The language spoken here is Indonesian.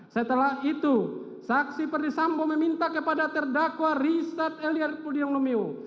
setelah itu saksi perdisambo meminta kepada terdakwa richard elie pudium lumiu